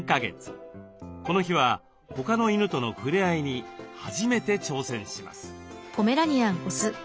この日は他の犬との触れ合いに初めて挑戦します。